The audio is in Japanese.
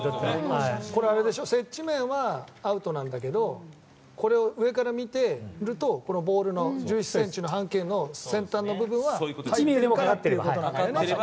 これ、接地面はアウトなんだけどこれを上から見てるとボールの１０ｃｍの半径の先端の部分はかかってるんだよね。